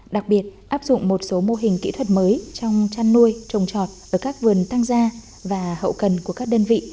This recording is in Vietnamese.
đặc biệt áp dụng một số mô hình kỹ thuật mới trong chăn nuôi trồng trọt ở các vườn tăng gia và hậu cần của các đơn vị